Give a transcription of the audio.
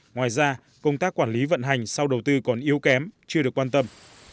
ngoài ra công tác quản lý vận hành sau đầu tư còn yếu kém chưa được quan tâm